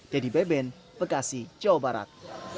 jadi beben bekasi jawa barat